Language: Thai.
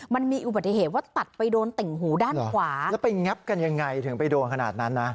มันมีอุบัติเหตุว่าตัดไปโดนติ่งหูด้านขวาแล้วไปงับกันยังไงถึงไปโดนขนาดนั้นนะ